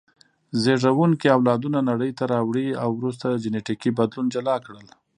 زېږوونکي اولادونه نړۍ ته راوړي او وروسته جینټیکي بدلون جلا کړل.